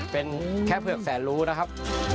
เป็นแค่เผือกแสนรู้นะครับ